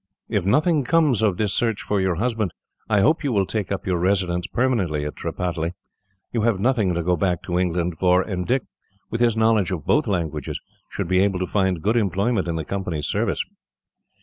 "If nothing comes of this search for your husband, I hope you will take up your residence, permanently, at Tripataly. You have nothing to go back to England for, and Dick, with his knowledge of both languages, should be able to find good employment in the Company's service."